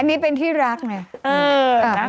อันนี้เป็นที่รักไง